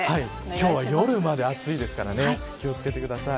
今日は夜まで暑いですから気を付けてください。